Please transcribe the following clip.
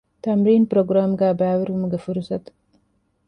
ތަމްރީން ޕްރޮގްރާމްގައި ބައިވެރިވުމުގެ ފުރުޞަތު